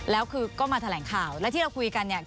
แล้วคือก็มาแถลงข่าวแล้วที่เราคุยกันเนี่ย